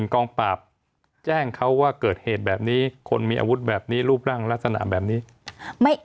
กองปราบแจ้งเขาว่าเกิดเหตุแบบนี้คนมีอาวุธแบบนี้รูปร่างลักษณะแบบนี้